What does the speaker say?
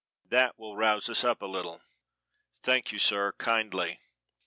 That will rouse us up a little." "Thank you, sir, kindly."